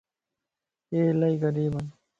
اي الائي غريبن